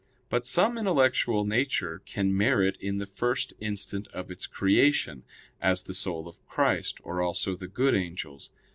But some intellectual nature can merit in the first instant of its creation; as the soul of Christ, or also the good angels.